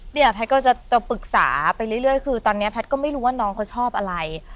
เนี่ยแพทย์ก็จะปรึกษาไปเรื่อยคือตอนนี้แพทย์ก็ไม่รู้ว่าน้องเขาชอบอะไร